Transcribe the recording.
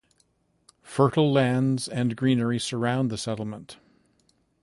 Fertile lands and greenery surround the settlement.